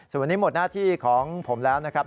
ส่วนวันนี้หมดหน้าที่ของผมแล้วนะครับ